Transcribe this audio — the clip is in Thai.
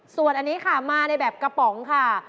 ส่วนอันนี้ค่ะมาในแบบกระป๋องค่ะ